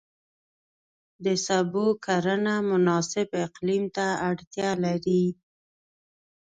د سبو کرنه مناسب اقلیم ته اړتیا لري.